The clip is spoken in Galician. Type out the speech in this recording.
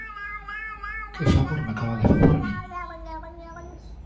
¡Que favor me acaba de facer a min!